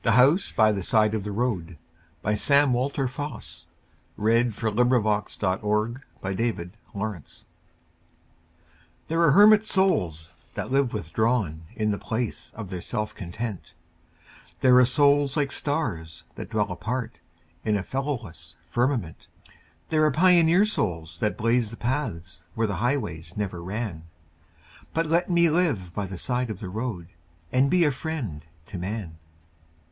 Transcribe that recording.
E F . G H . I J . K L . M N . O P . Q R . S T . U V . W X . Y Z The House by the Side of the Road THERE are hermit souls that live withdrawn In the place of their self content; There are souls like stars, that dwell apart, In a fellowless firmament; There are pioneer souls that blaze the paths Where highways never ran But let me live by the side of the road And be a friend to man.